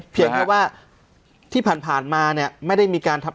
เพียงเพราะว่าที่ผ่านมาไม่ได้มีการทำ